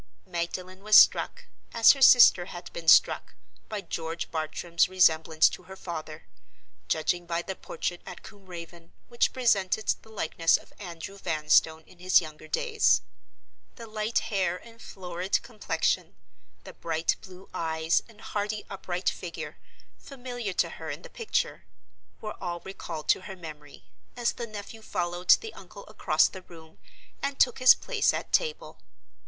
Magdalen was struck, as her sister had been struck, by George Bartram's resemblance to her father—judging by the portrait at Combe Raven, which presented the likeness of Andrew Vanstone in his younger days. The light hair and florid complexion, the bright blue eyes and hardy upright figure, familiar to her in the picture, were all recalled to her memory, as the nephew followed the uncle across the room and took his place at table.